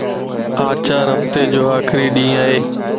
آچار ھفتي جو آخري ڏينھن ائي